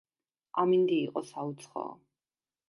ამინდი იყო საუცხოო.